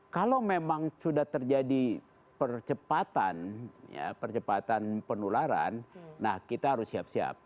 kalau memang sudah terjadi percepatan percepatan penularan nah kita harus siap siap